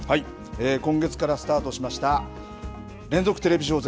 今月からスタートしました連続テレビ小説